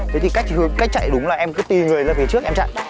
thế thì cách chạy đúng là em cứ tì người ra phía trước em chạy